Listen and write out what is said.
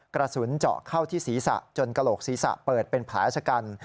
กระสุนเจาะเข้าที่ศีรษะจนกระโหลกศีรษะเปิดเป็นแผลชะกัน